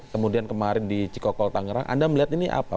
kemudian kemarin di cikokol tangerang anda melihat ini apa